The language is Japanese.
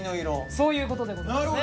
そういうことでございますね。